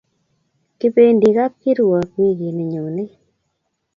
kipendi kapkirwok wikini nyonet